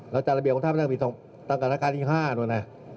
แล้วจาระเบียบของท่านมันตั้งกับนักการที่๕ตัวน่ะ